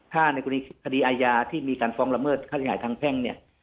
ถ้าในกรณีคดีอาญาที่มีการฟ้องละเมิดค่าเสียหายทางแพ่งเนี่ย